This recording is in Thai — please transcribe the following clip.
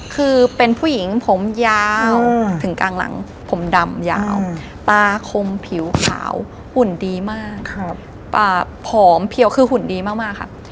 คือเป็นผู้หญิงผมยาวถึงกลางหลังผมดำยาวตาคมผิวขาวหุ่นดีมากผอมเพียวคือหุ่นดีมากค่ะ